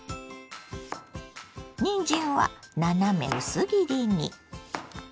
にんじんは斜め薄切りに。